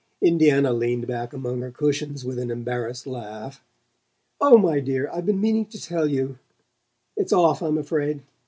Indiana leaned back among her cushions with an embarrassed laugh. "Oh, my dear, I've been meaning to tell you it's off, I'm afraid.